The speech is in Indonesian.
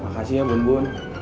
makasih ya bun bun